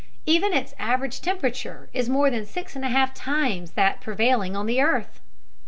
Even its average temperature is more than six and a half times that prevailing on the earth!